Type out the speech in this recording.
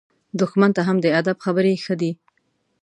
دښمن ته هم د ادب خبرې ښه دي.